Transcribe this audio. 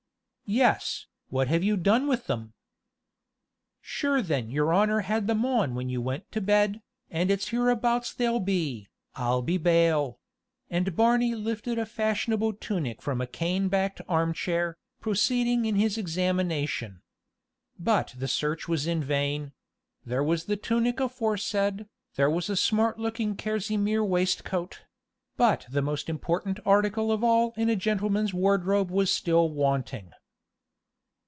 "Yes, what have you done with them?" "Sure then your honor had them on when you went to bed, and it's hereabouts they'll be, I'll be bail"; and Barney lifted a fashionable tunic from a cane backed arm chair, proceeding in his examination. But the search was vain; there was the tunic aforesaid, there was a smart looking kerseymere waistcoat; but the most important article of all in a gentleman's wardrobe was still wanting.